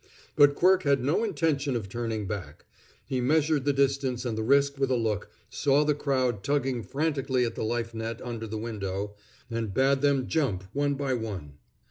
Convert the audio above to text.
But Quirk had no intention of turning back. He measured the distance and the risk with a look, saw the crowd tugging frantically at the life net under the window, and bade them jump, one by one.